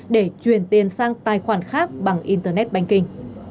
để chuyển tiền sang tài khoản khác bằng internet banking